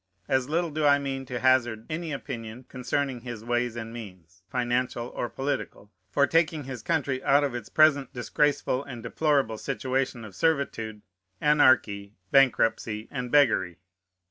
As little do I mean to hazard any opinion concerning his ways and means, financial or political, for taking his country out of its present disgraceful and deplorable situation of servitude, anarchy, bankruptcy, and beggary.